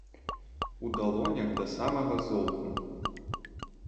У далонях да самага золку.